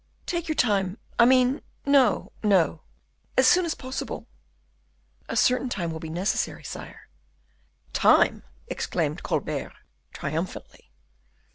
"Take your time, I mean no, no; as soon as possible." "A certain time will be necessary, sire." "Time!" exclaimed Colbert, triumphantly.